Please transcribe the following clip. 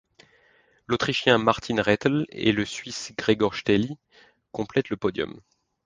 L'Autrichien Martin Rettl et le Suisse Gregor Stähli complètent le podium.